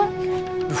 hai mia dia